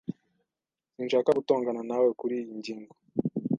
Sinshaka gutongana nawe kuriyi ngingo.